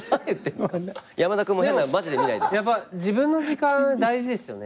でもやっぱ自分の時間大事ですよね。